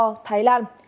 như singapore thái lan